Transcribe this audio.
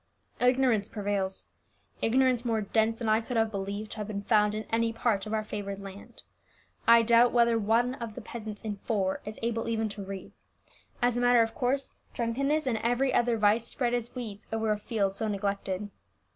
Ignorance prevails ignorance more dense than I could have believed to have been found in any part of our favoured land. I doubt whether of the peasants one in four is able even to read. As a matter of course, drunkenness and every other vice spread as weeds over a field so neglected."